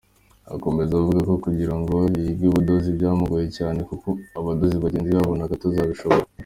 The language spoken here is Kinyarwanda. Akomeza avuga ko kugira ngo yige ubudozi byamugoye cyane kuko abadozi bagenzi babonaga atazabishobora.